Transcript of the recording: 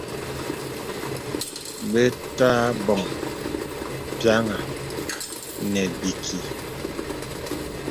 Bə̀ tə̀ abɔ̀ŋ pyàŋà nə̀ bìkì.